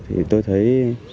thì tôi thấy